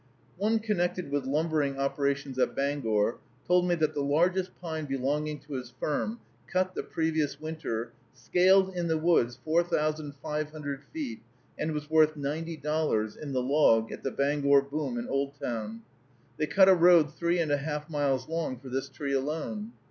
One connected with lumbering operations at Bangor told me that the largest pine belonging to his firm, cut the previous winter, "scaled" in the woods four thousand five hundred feet, and was worth ninety dollars in the log at the Bangor boom in Oldtown. They cut a road three and a half miles long for this tree alone.